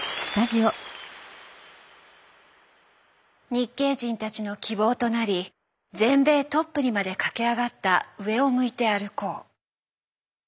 日系人たちの希望となり全米トップにまで駆け上がった「上を向いて歩こう」。